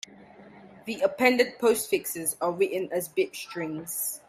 The appended postfixes are written as bit strings.